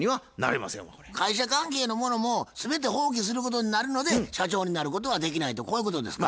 会社関係のものも全て放棄することになるので社長になることができないとこういうことですか？